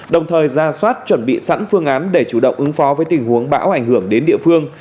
đồng thời ra soát chuẩn bị sẵn phương án để chủ động ứng phó với tình huống bão ảnh hưởng đến địa phương